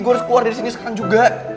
gue harus keluar dari sini sekarang juga